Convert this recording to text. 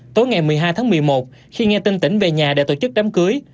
tối ngày một mươi hai tháng một mươi một khi nghe tin tỉnh về nhà để tổ chức đám cưới